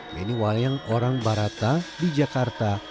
ini wayang orang barata di jakarta